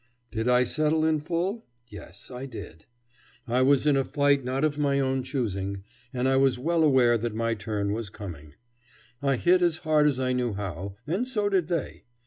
Did I settle in full? Yes, I did. I was in a fight not of my own choosing, and I was well aware that my turn was coming. I hit as hard as I knew how, and so did they.